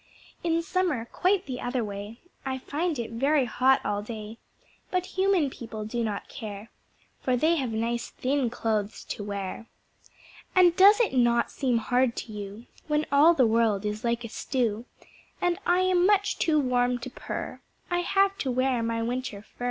In Summer quite the other way, I find it very hot all day, But Human People do not care, For they have nice thin clothes to wear. And does it not seem hard to you, When all the world is like a stew, And I am much too warm to purr, I have to wear my Winter Fur?